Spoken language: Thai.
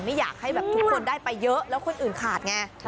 ไม่อยากให้แบบทุกคนได้ไปเยอะแล้วคนอื่นขาดไง